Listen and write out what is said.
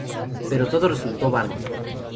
Pero todo resultó vano.